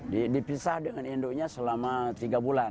dipisah dengan induknya selama tiga bulan